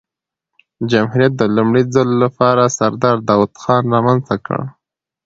جمهوریت د لومړي ځل له پاره سردار داود خان رامنځ ته کړ.